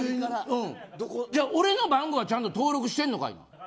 俺の番号はちゃんと登録してんのかい。